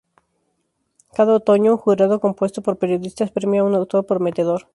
Cada otoño, un jurado compuesto por periodistas premia a un autor prometedor.